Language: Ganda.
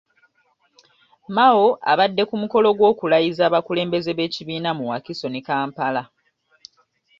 Mao abadde ku mukolo gw’okulayiza abakulembeze b’ekibiina mu Wakiso ne Kampala.